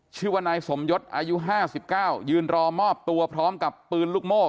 ชื่อว่านายสมยศอายุ๕๙ยืนรอมอบตัวพร้อมกับปืนลูกโม่